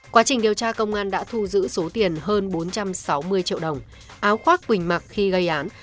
quá trình điều tra công an đã thu giữ số tiền hơn bốn trăm sáu mươi triệu đồng áo khoác quỳnh mặc khi gây án